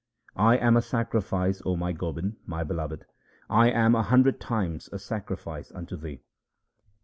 I am a sacrifice, O my Gobind, my Beloved ; I am a hundred times a sacrifice unto Thee.